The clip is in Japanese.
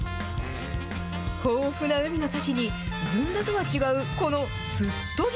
豊富な海の幸に、ずんだとは違うこのすっとぎ。